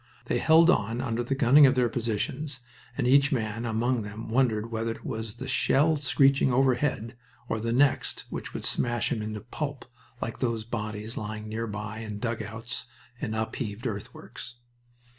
They held on under the gunning of their positions, and each man among them wondered whether it was the shell screeching overhead or the next which would smash him into pulp like those bodies lying nearby in dugouts and upheaved earthworks.